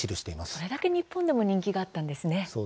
それだけ日本でも人気があったんですね。